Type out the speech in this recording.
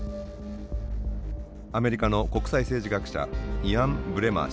アメリカの国際政治学者イアン・ブレマー氏。